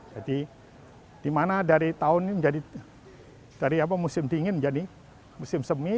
jadi dimana dari tahun ini menjadi dari musim dingin menjadi musim semi